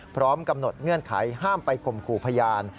พร้อมกำหนดเงื่อนไขห้ามไปข่มขู่พยาน